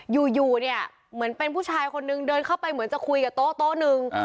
อยู่เนี่ยเหมือนเป็นผู้ชายคนนึงเดินเข้าไปเหมือนจะคุยกับโต๊ะนึง